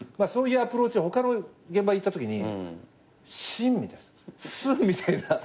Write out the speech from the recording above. そういうアプローチを他の現場行ったときにしーんみたいな。